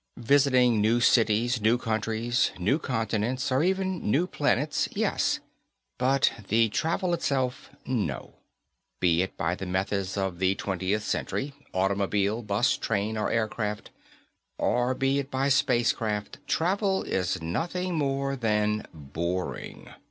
Visiting new cities, new countries, new continents, or even new planets, yes. But the travel itself, no. Be it by the methods of the Twentieth Century automobile, bus, train, or aircraft or be it by spaceship, travel is nothing more than boring.